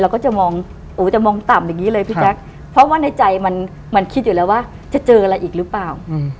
ก็จะมองโอ้จะมองต่ำอย่างนี้เลยพี่แจ๊คเพราะว่าในใจมันคิดอยู่แล้วว่าจะเจออะไรอีกหรือเปล่า